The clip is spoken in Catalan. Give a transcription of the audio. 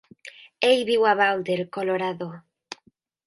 Ell viu a Boulder, Colorado.